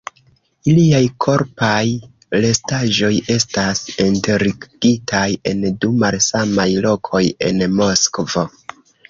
Iliaj korpaj restaĵoj estas enterigitaj en du malsamaj lokoj en Moskvo.